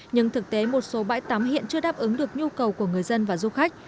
nhưng thực tế một số bãi tắm hiện chưa đáp ứng được nhu cầu của người dân và du khách